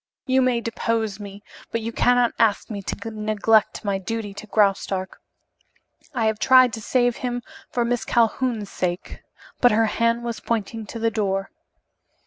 You may depose me, but you cannot ask me to neglect my duty to Graustark. I have tried to save him for Miss Calhoun's sake " But her hand was pointing to the door.